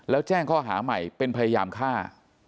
แล้วแจ้งข้อหาใหม่เป็นพยายามฆ่า